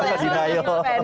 gak di naio